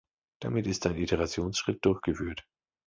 Damit ist ein Iterationsschritt durchgeführt.